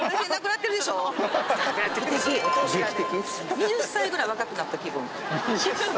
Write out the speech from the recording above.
・２０歳ぐらい若くなった気分・２０歳？